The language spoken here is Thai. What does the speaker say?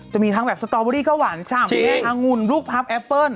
จะมีทั้งแบบสตอร์เบอร์ดีก็หวานฉ่ำแม่อังุณลูกพับแอปเปิ้ล